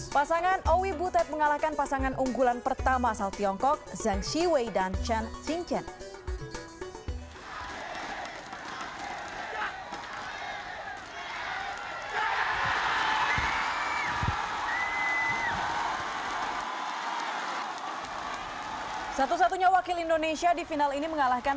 pasangan owi butet mengalahkan pasangan unggulan pertama asal tiongkok zhang shiwei dan chen xingchen